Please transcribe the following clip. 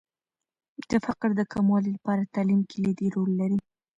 د فقر د کموالي لپاره تعلیم کلیدي رول لري.